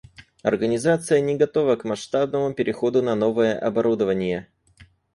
Организация не готова к масштабному переходу на новое оборудование